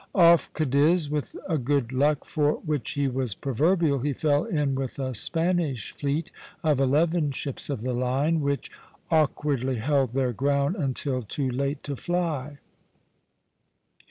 Off Cadiz, with a good luck for which he was proverbial, he fell in with a Spanish fleet of eleven ships of the line, which awkwardly held their ground until too late to fly.